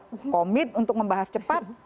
sekarang dpr komit untuk membahas cepat